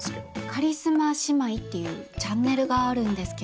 カリスマ姉妹っていうチャンネルがあるんですけど。